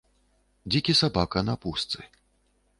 Дзікі сабака на пустцы.